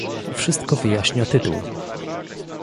Wszystko wyjaśnia tytuł